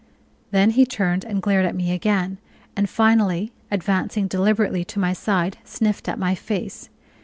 Then he turned and glared at me again, and finally, advancing deliberately to my side, sniffed at my face.